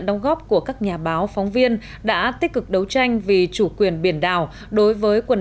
đóng góp của các nhà báo phóng viên đã tích cực đấu tranh vì chủ quyền biển đảo đối với quần